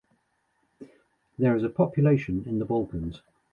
There is a population in the Balkans.